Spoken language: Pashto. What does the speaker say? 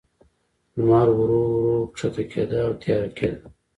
لمر ورو، ورو کښته کېده، او تیاره کېده.